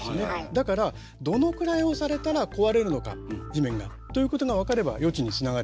だからどのくらい押されたら壊れるのか地面が。ということが分かれば予知につながるよね。